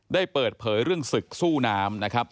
ได้เปิดเผยเรื่องศึกสู้น้ำนะครับ